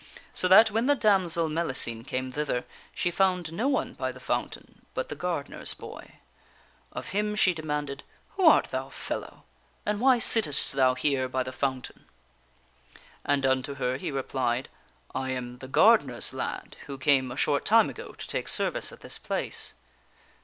So that when the damsel Mellicene came thither, she found no one by the fountain but the gar The dams ifi nd . dener's boy. Of him she demanded :" Who art thou, fellow ? etk onfy tkega* And why sittest thou here by the fountain ?"boy ' And unto her he replied :" I am the gardener's lad who came a short time ago to take service at this place."